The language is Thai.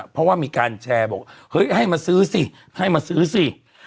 เพราะว่ามีการแชร์บอกแปลว่าให้มาซื้อสิ